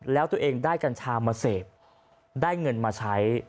แล้วตัวเองได้กัญชามาเสพได้เงินมาใช้